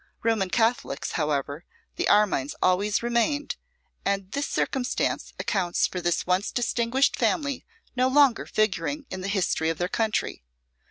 Roman Catholics, however, the Armines always remained, and this circumstance accounts for this once distinguished family no longer figuring in the history of their country.